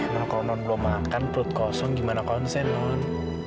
ya kalau nun belum makan perut kosong gimana kau konsen nun